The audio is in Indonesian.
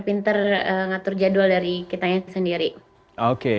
pinter ngatur jadwal dari kitanya sendiri oke